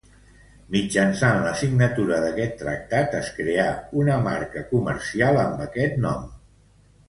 Mitjançant la signatura d'aquest tractat es creà una marca comercial amb aquest nom.